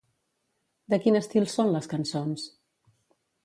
De quin estil són les cançons?